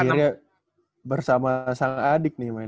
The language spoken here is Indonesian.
akhirnya bersama sang adik nih main